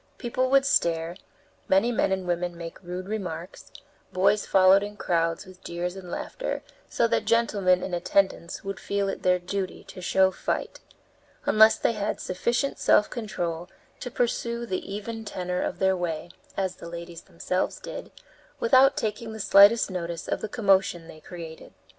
People would stare, many men and women make rude remarks, boys followed in crowds, with jeers and laughter, so that gentlemen in attendance would feel it their duty to show fight, unless they had sufficient self control to pursue the even tenor of their way, as the ladies themselves did, without taking the slightest notice of the commotion they created.